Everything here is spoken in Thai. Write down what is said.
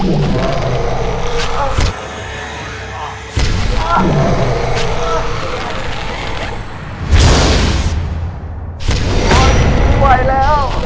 บอสไม่ไหวแล้ว